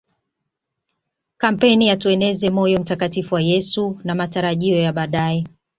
kampeni ya tueneze moyo mtakatifu wa Yesu na matarajio ya baadae